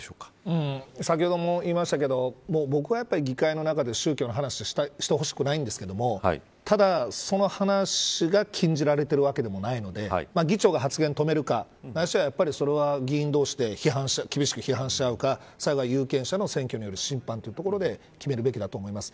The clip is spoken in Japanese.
先ほども言いましたけど僕は議会の中で宗教の話をしてほしくないんですけどただ、その話が禁じられているわけでもないので議長が発言を止めるかないしは、それは議員同士で厳しく批判しあうか有権者の選挙による審判で決めるべきだと思います。